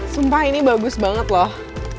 sumpah ini bagus banget loh